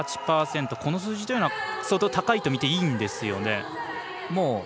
この数字というのは相当高いと見ていいんですよね。